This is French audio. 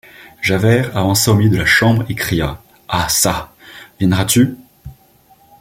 Javert avança au milieu de la chambre et cria: — Ah çà! viendras-tu?